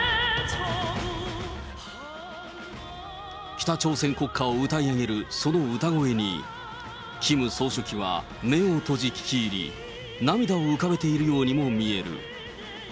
北朝鮮国歌を歌い上げるその歌声に、キム総書記は目を閉じ聴き入り、涙を浮かべているようにも見える。